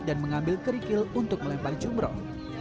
dan mengambil kerikil untuk melempar jumroh